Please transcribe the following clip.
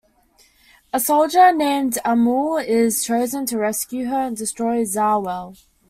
A soldier named Amul is chosen to rescue her and destroy Zawell.